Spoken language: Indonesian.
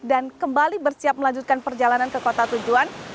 dan kembali bersiap melanjutkan perjalanan ke kota tujuan